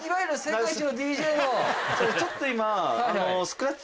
ちょっと今。